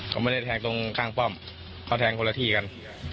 เขาไม่ได้แทงตรงข้างป้อมเขาแทงคนละที่กัน